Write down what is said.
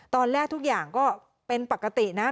ตอนแรกทุกอย่างก็เป็นปกตินะ